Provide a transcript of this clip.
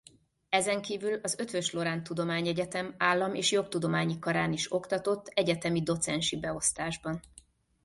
Ezenkívül az Eötvös Loránd Tudományegyetem Állam- és Jogtudományi Karán is oktatott egyetemi docensi beosztásban.